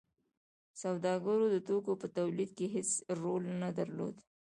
سوداګرو د توکو په تولید کې هیڅ رول نه درلود.